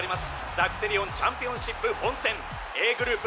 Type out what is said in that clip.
ザクセリオン・チャンピオンシップ本戦Ａグループ